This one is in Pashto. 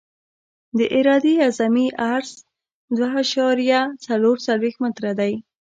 د عرادې اعظمي عرض دوه اعشاریه څلور څلویښت متره دی